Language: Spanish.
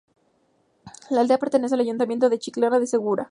La aldea pertenece al Ayuntamiento de Chiclana de Segura.